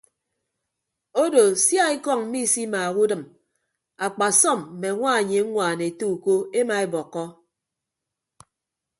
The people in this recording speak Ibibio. Odo sia ekọñ misimaaha udịm akpasọm mme añwanyi ñwaan ete uko emaebọkkọ.